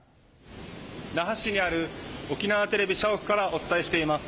那覇市にある沖縄テレビ社屋からお伝えします。